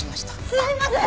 すみません！